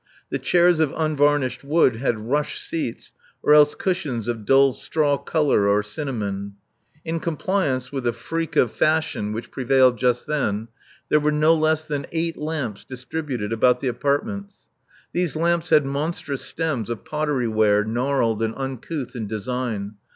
The chairs of unvarnished wood, had rush seats, or else cushions of dull straw color or cinnamon. In compliance with a freak of Love Among the Artists 419 fashion which prevailed just then, there were no less than eight lamps distributed about the apartments. These lamps had monstrous stems of pottery ware, gnarled and uncouth in design.